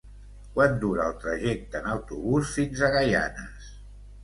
Quant dura el trajecte en autobús fins a Gaianes?